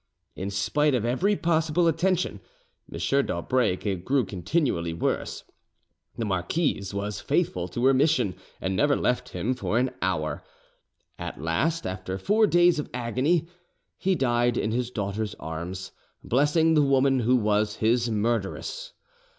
In spite, of every possible attention, M. d'Aubray grew continually worse; the marquise was faithful to her mission, and never left him for an hour. At list, after four days of agony, he died in his daughter's arms, blessing the woman who was his murderess.